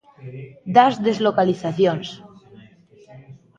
Das deslocalizacións.